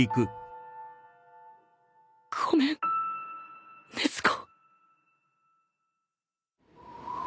ごめん禰豆子